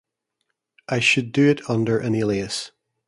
I should do it under an alias.